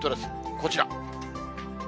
こちら。